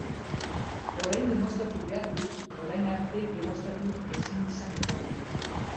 Orain demostratu behar dut orain arte demostratu ezin izan dudana.